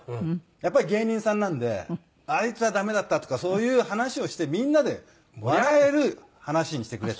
やっぱり芸人さんなんであいつは駄目だったとかそういう話をしてみんなで笑える話にしてくれと。